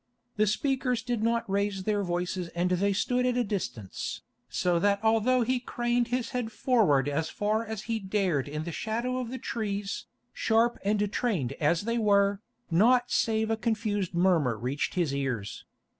The speakers did not raise their voices and they stood at a distance, so that although he craned his head forward as far as he dared in the shadow of the trees, sharp and trained as they were, naught save a confused murmur reached his ears.